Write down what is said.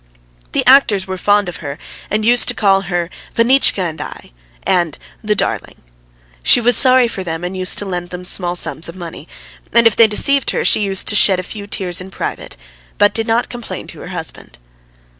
The actors were fond of her and used to call her "Vanitchka and I," and "the darling"; she was sorry for them and used to lend them small sums of money, and if they deceived her, she used to shed a few tears in private, but did not complain to her husband.